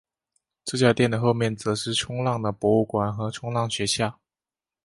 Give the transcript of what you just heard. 这家店的后面则是冲浪的博物馆和冲浪学校。